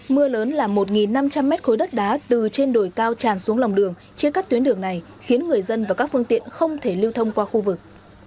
mưa lớn là một năm trăm linh mét khối đất đá từ trên đồi cao tràn xuống lòng đường chia cắt tuyến đường này khiến người dân và các phương tiện không thể lưu thông qua khu vực